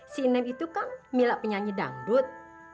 si nem itu kan milah penyanyi dangdut